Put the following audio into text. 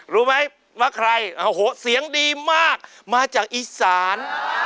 รู้ไหมว่าใครโอ้โหเสียงดีมากมาจากอีสาน